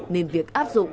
nên việc áp dụng